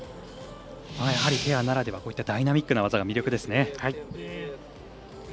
やはり、ペアならではダイナミックな技が魅力ですね。